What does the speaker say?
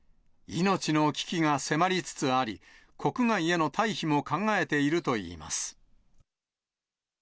命の危機が迫りつつあり、国外への退避も考えているといいます。